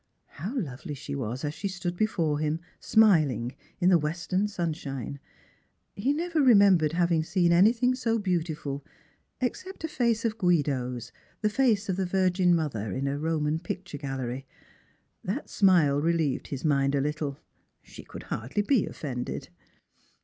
How lovely she was as she stood before him, smiling, in the western sunshine ! He never remembered having seen any thing so beautiful, except a face of Guido's — the face of the Virgin mother — in a Roman picture gallery. That smile re lieved his mind a little. She could hardly be offended.